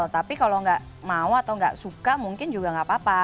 tapi kalau nggak mau atau nggak suka mungkin juga nggak apa apa